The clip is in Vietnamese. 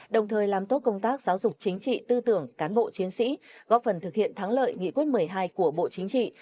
đồng thời làm tốt công tác giáo dục chính trị tư tưởng cán bộ chiến sĩ góp phần thực hiện thắng lợi nghị quyết một mươi hai của bộ chính trị